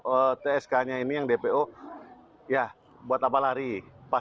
atas tewasnya suami yang membunuh suami sempat tertangkap